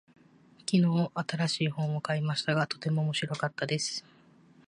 昨日、新しい本を買いましたが、とても面白かったです。